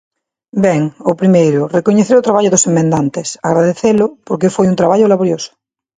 Ben, o primeiro, recoñecer o traballo dos emendantes, agradecelo, porque foi un traballo laborioso.